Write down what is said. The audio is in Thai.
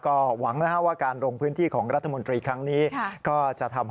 ก็หวังนะครับว่าการลงพื้นที่ของรัฐมนตรีครั้งนี้ก็จะทำ